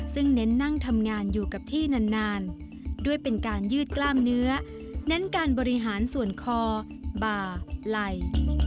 ซึ่งเน้นนั่งทำงานอยู่กับที่นานด้วยเป็นการยืดกล้ามเนื้อเน้นการบริหารส่วนคอบ่าไหล่